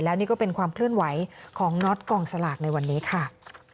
แล้วนี่ก็เป็นความเคลื่อนไหวของน็อตกองสลากในวันนี้ค่ะ